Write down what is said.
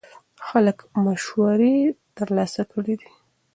خلک مشورې ترلاسه کړې دي.